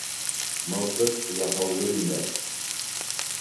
Мылтыҡ яһаулы ине.